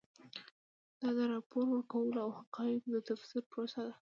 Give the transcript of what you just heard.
دا د راپور ورکولو او حقایقو د تفسیر پروسه ده.